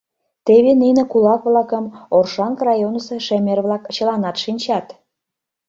Теве нине кулак-влакым Оршанка районысо шемер-влак чыланат шинчат.